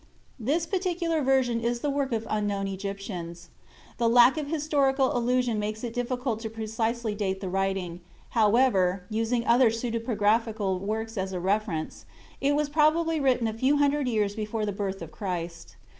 This particular version is the work of unknown Egyptians. The lack of historical allusion makes it difficult to precisely date the writing, however, using other pseudepigraphical works as a reference, it was probably written a few hundred years before the birth of Christ.